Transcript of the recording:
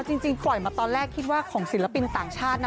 จริงปล่อยมาตอนแรกคิดว่าของศิลปินต่างชาตินะ